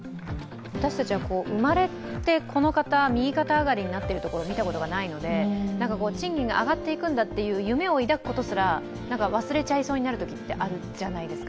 私たちは生まれてこのかた右肩上がりになっているところを見たことがないので賃金が上がっていくんだという夢を抱くことすら忘れちゃいそうになるときってあるじゃないですか。